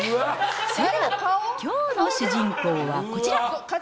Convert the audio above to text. それでは、きょうの主人公はこちら。